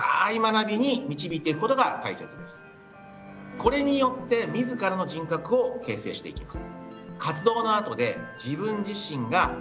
これによって自らの人格を形成していきます。